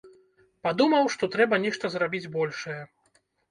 Падумаў, што трэба нешта зрабіць большае.